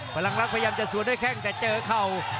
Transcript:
พลังลักษณ์พยายามจะสวนด้วยแข้งแต่เจอเข่า